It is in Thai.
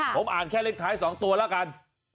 ผมอ่านแค่เลขท้าย๒ตัวแล้วกัน